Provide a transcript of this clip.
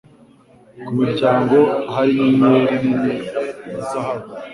Ku muryango hari inyenyeri nini ya zahabu.